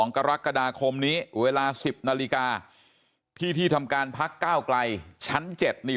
กรกฎาคมนี้เวลา๑๐นาฬิกาที่ที่ทำการพักก้าวไกลชั้น๗นี่